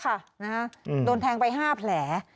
เขาไม่สนใจแล้ว